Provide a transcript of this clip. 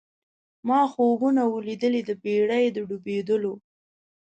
ما خوبونه وه لیدلي د بېړۍ د ډوبېدلو